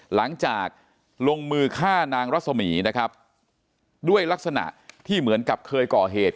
หลังจากลงมือฆ่านางรัศมีนะครับด้วยลักษณะที่เหมือนกับเคยก่อเหตุ